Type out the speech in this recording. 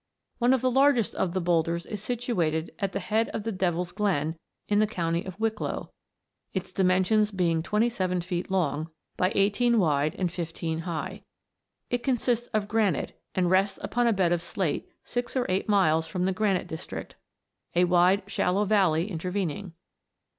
One of the largest of the boulders is situated at the head of the Devil's Glen, in the county of Wicklow, its dimensions being twenty seven feet long, by eighteen wide, and fifteen high. It consists of granite, and rests upon a bed of slate six or eight miles from the granite district, a wide shallow valley intervening.